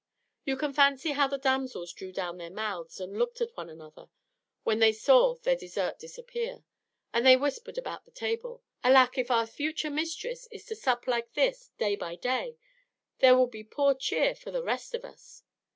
You can fancy how the damsels drew down their mouths and looked at one another when they saw their dessert disappear; and they whispered about the table, "Alack! if our future mistress is to sup like this day by day, there will be poor cheer for the rest of us!"